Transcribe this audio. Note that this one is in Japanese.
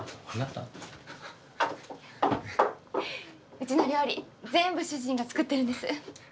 うちの料理全部主人が作ってるんです。